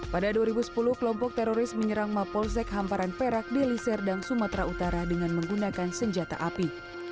pada dua ribu sepuluh kelompok teroris menyerang mapolsek hamparan perak deliserdang sumatera utara dengan menggunakan senjata api